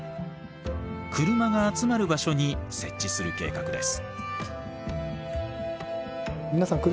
車が集まる場所に設置する計画です。